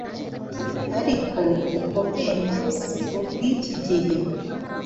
ariko ubwo bwenge si ubw’iki gihe,